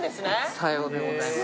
さようでございます。